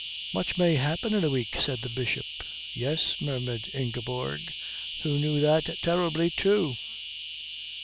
"Much may happen in a week," said the Bishop. "Yes," murmured Ingeborg, who knew that terribly, too.